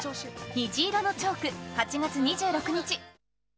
虹色のチョーク、８月２６日。